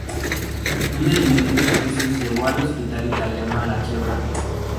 Una inminente crisis llevó al Hospital Italiano a la quiebra.